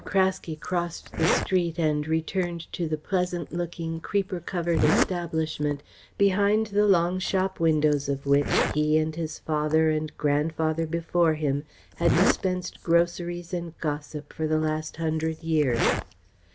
Craske crossed the street and returned to the pleasant looking, creeper covered establishment behind the long shop windows of which he and his father and grandfather before him had dispensed groceries and gossip for the last hundred years.